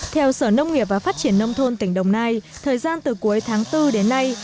theo sở nông nghiệp và phát triển nông thôn tỉnh đồng nai thời gian từ cuối tháng bốn đến nay